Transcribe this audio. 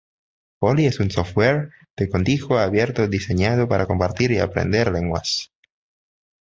Poly es un software de código abierto diseñado para compartir y aprender lenguas.